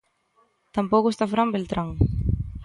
Tampouco está Fran Beltrán.